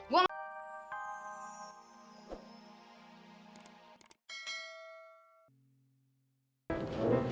gua gak ngerti